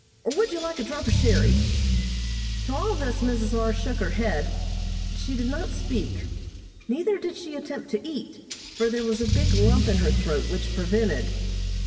Or would you like a drop of sherry?" To all this Mrs. R. shook her head, but she did not speak, neither did she attempt to eat, for there was a big lump in her throat which prevented.